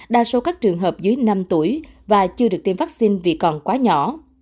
đa số các trường hợp dưới năm tuổi và chưa được tiêm vaccine vì còn quá nhỏ